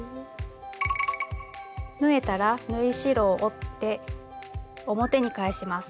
縫えたら縫い代を折って表に返します。